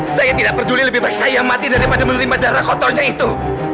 saya tidak peduli lebih baik saya mati daripada menerima darah kotornya itu